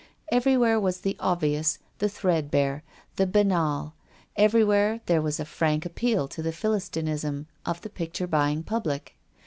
Everywhere was the obvious, the threadbare, the bcmal / every where there was a frank appeal to the Philis tinism of the picture buying public.